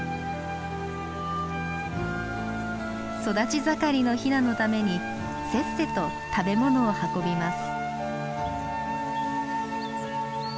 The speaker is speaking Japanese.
育ち盛りのひなのためにせっせと食べ物を運びます。